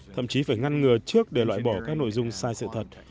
thậm chí phải ngăn ngừa trước để loại bỏ các nội dung sai sự thật